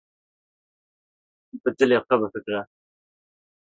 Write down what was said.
Bi dilê xwe bifikre.